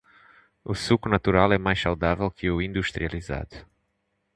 O suco natural é mais saudável que o industrializado.